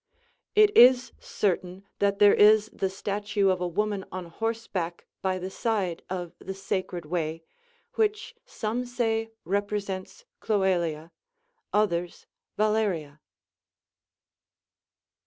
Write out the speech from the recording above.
It is certain that there is the statue of a woman on horseback by the side of the Sacred Way, which some say represents Cloelia, others, Valeria.